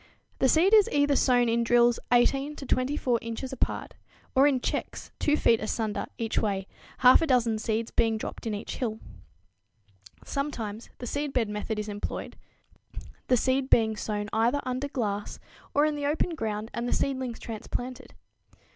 The seed is either sown in drills 18 to 24 inches apart or in checks 2 feet asunder each way, half a dozen seeds being dropped in each "hill." Sometimes the seedbed method is employed, the seed being sown either under glass or in the open ground and the seedlings transplanted.